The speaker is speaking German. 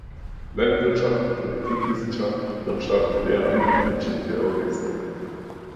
Landwirtschaft, Politikwissenschaft, Wirtschaft, Lehramt und Ingenieurwesen.